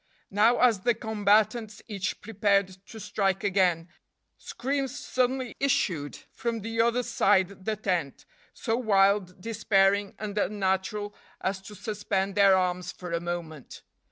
Now as the combatants each prepared to strike again, screams suddenly issued from the other side the tent, so wild, despairing, and unnatural as to suspend their arms for a moment.